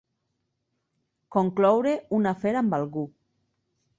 Concloure un afer amb algú.